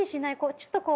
ちょっとこう。